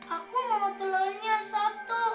aku mau telurnya satu